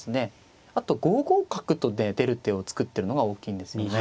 あと５五角と出る手を作ってるのが大きいんですよね。